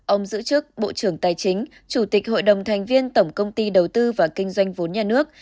ông giữ chức bộ trưởng tài chính chủ tịch hội đồng thành viên tổng công ty đầu tư và kinh doanh vốn nhà nước